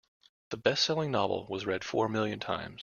The bestselling novel was read four million times.